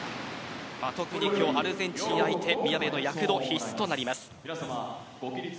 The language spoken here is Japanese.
今日、アルゼンチン相手宮部の躍動、必須となります。